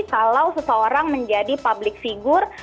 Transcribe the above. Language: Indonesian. kalau seseorang menjadi public figure